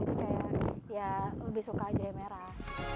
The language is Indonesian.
itu kayak lebih suka jahe merah